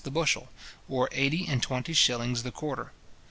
the bushel, or eight and twenty shillings the quarter.